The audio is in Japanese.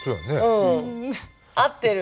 うん合ってる。